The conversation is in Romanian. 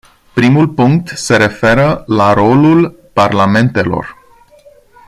Primul punct se referă la rolul parlamentelor.